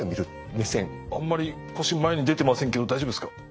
あんまり腰前に出てませんけど大丈夫ですか？